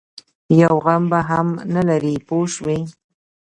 یو غم به هم نه لري پوه شوې!.